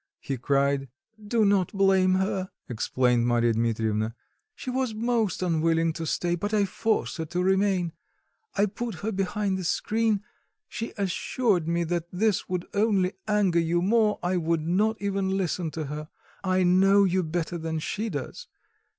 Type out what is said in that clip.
he cried. "Do not blame her," explained Marya Dmitrievna; "she was most unwilling to stay, but I forced her to remain. I put her behind the screen. She assured me that this would only anger you more; I would not even listen to her; I know you better than she does.